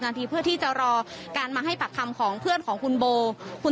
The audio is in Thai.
นาทีเพื่อที่จะรอการมาให้ปากคำของเพื่อนของคุณโบคุณ